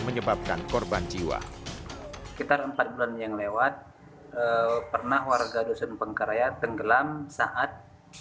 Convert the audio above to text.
menyebabkan korban jiwa kita empat bulan yang lewat pernah warga dusun pangkaraya tenggelam saat